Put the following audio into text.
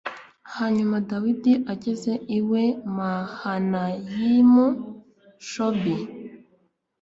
Hanyuma Dawidi ageze i Mahanayimu Shobi